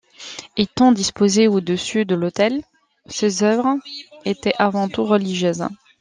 Étant disposées au-dessus de l'autel, ces œuvres étaient avant tout religieuses.